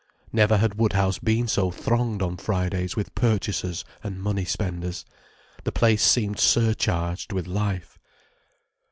Never had Woodhouse been so thronged on Fridays with purchasers and money spenders. The place seemed surcharged with life.